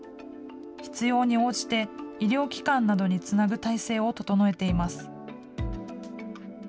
必要に応じて、医療機関などにつなぐ体制を整えています。